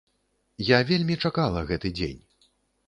Я вельмі чакала гэты дзень.